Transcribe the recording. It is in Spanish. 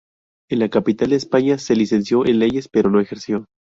En la capital de España se licenció en leyes, pero no ejerció.